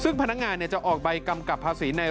โทษภาพชาวนี้ก็จะได้ราคาใหม่